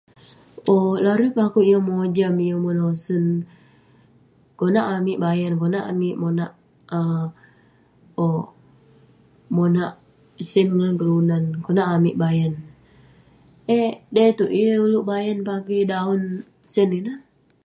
Owk, larui peh akouk yeng mojam yeng menosen. Konak amik bayan, konak amik monak um owk, monak sen ngan kelunan, konak amik bayan. Eh dai itouk, yeng ulouk bayan pakey daon sen ineh.